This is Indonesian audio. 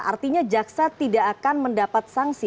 artinya jaksa tidak akan mendapat sanksi